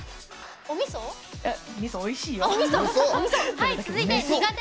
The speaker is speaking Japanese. みそ、おいしいよ。